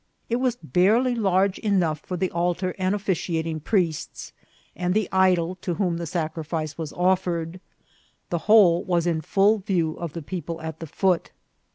It was barely large enough for the altar and officiating priests, and the idol to whom the sacrifice was offered. The whole was in full view of the people at the foot.